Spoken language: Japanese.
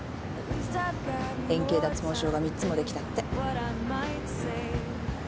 円形脱毛症が三つもできたって。